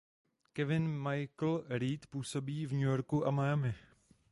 Kevin Michael Reed působí v New Yorku a Miami.